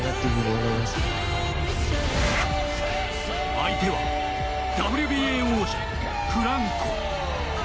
相手はＷＢＡ王者・フランコ。